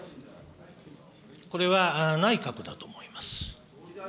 これは内閣だと思います。